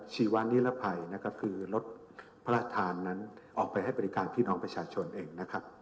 ชีวานิรภัยคือรถพระธานนั้นออกไปให้บริการพี่น้องประชาชนเอง